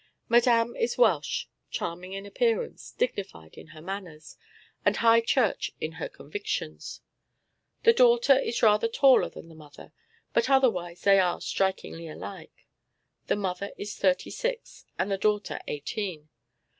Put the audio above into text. Madame is Welsh, charming in appearance, dignified in her manners, and High Church in her convictions. The daughter is rather taller than the mother, but otherwise they are strikingly alike. The mother is thirty six and the daughter eighteen.